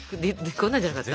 こんなんじゃなかった？